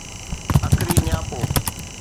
اکري نياپو